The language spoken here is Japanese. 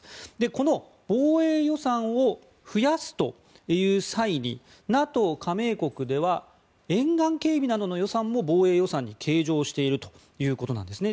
この防衛予算を増やすという際にＮＡＴＯ加盟国では沿岸警備などの予算も防衛予算に計上しているということなんですね。